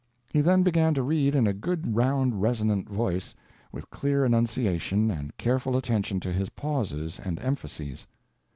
He then began to read in a good round resonant voice, with clear enunciation and careful attention to his pauses and emphases.